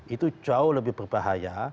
itu jauh lebih berbahaya